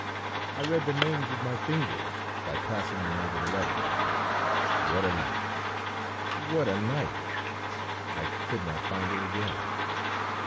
I read the names with my fingers, by passing them over the letters. What a night! What a night! I could not find her again!